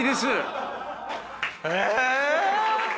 え？